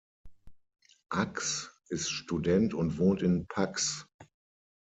Ács ist Student und wohnt in Paks.